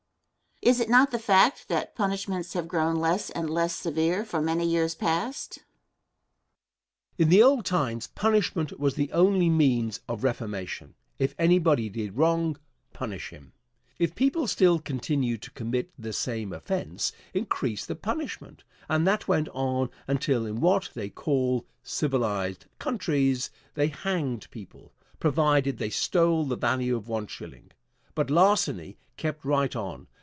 Question. Is it not the fact that punishments have grown less and less severe for many years past? Answer. In the old times punishment was the only means of reformation. If anybody did wrong, punish him. If people still continued to commit the same offence, increase the punishment; and that went on until in what they call "civilized countries" they hanged people, provided they stole the value of one shilling. But larceny kept right on.